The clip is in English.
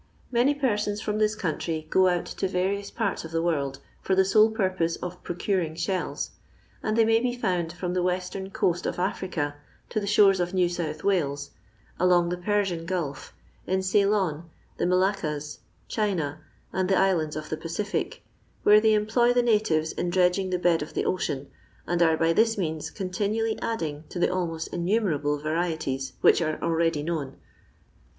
Many persons from this country go out to various parts of the world for the sole purpose of procuring shells, and they may be found from the western coast of Africa to the shores of New South Wales, along the Persian Gulf, in Ceylon, the Malaccas, China, and the Islands of the Pacific, where they employ the natives in dredging the bed of the ocean, and are by this means continually adding to the almost innumerable varieties which are already known.